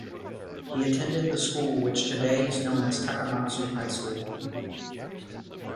He attended the school which today is known as Takamatsu High School.